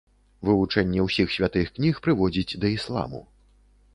Вывучэнне ўсіх святых кніг прыводзіць да ісламу.